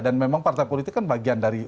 dan memang partai politik kan bagian dari